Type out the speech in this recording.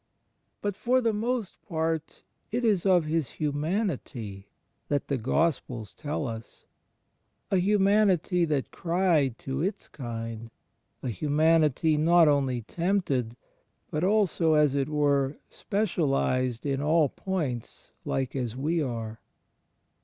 " But for the most part it is of His Humanity that the Gospels tell us; a Hxmianity that cried to Its kind — a Himianity not only tempted but also, as it were, specialized in all points like as we are.